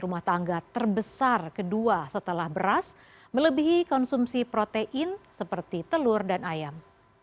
rumah tangga terbesar kedua setelah beras melebihi konsumsi protein seperti telur dan ayam